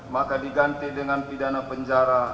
maka diganti dengan pidana penjara